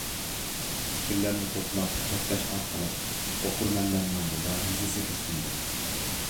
پىكىرلەرنى توپلاپ رەتلەش ئارقىلىق ئوقۇرمەنلەرنىڭ مۇلاھىزىسىگە سۇندۇم.